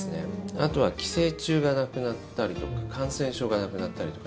あとは寄生虫がなくなったりとか感染症がなくなったりとか。